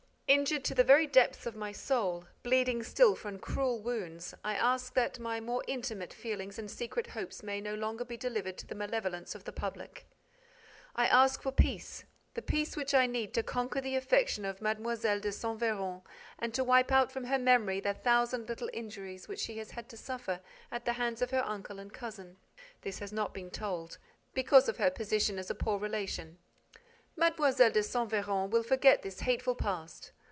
Injured to the very depths of my soul, bleeding still from cruel wounds, I ask that my more intimate feelings and secret hopes may no longer be delivered to the malevolence of the public. I ask for peace, the peace which I need to conquer the affection of Mlle. de Saint Véran and to wipe out from her memory the thousand little injuries which she has had to suffer at the hands of her uncle and cousin—this has not been told—because of her position as a poor relation. Mlle. de Saint Véran will forget this hateful past.